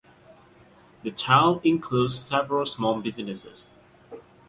The town includes several small businesses.